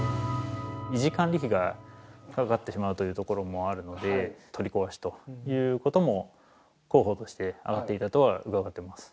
維持管理費がかかってしまうというところもあるので、取り壊しということも候補として挙がっていたとは伺っています。